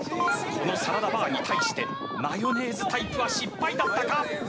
このサラダバーに対してマヨネーズタイプは失敗だったか。